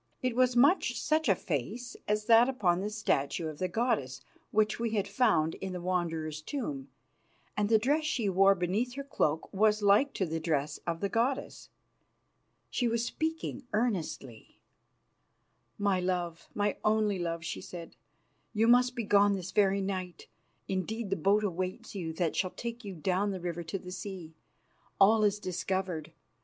It was much such a face as that upon the statue of the goddess which we had found in the Wanderer's tomb, and the dress she wore beneath her cloak was like to the dress of the goddess. She was speaking earnestly. "My love, my only love," she said, "you must begone this very night; indeed, the boat awaits you that shall take you down the river to the sea. All is discovered.